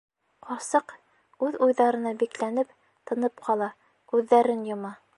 Ҡарсыҡ, үҙ уйҙарына бикләнеп, тынып ҡала, күҙҙәрен йома.